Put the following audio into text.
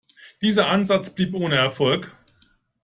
Dieser Ansatz blieb ohne Erfolg.